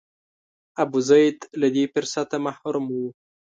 ابوزید له دې فرصته محروم و.